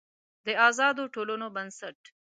د آزادو ټولنو بنسټ